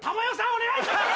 お願いします！